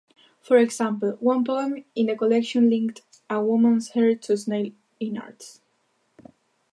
For example, one poem in the collection likened a woman's hair to snail innards.